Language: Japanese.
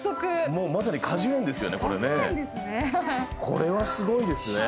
これはすごいですね。